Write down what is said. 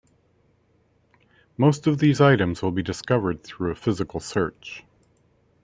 Most of these items will be discovered through a physical search.